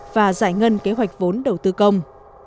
và giải ngân kế hoạch vốn đầu tư công